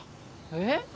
えっ？